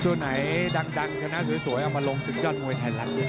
ตัวไหนดังชนะสวยเอามาลงสินยอดมวยไทยรัก